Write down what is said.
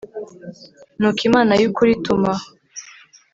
Nuko Imana y ukuri ituma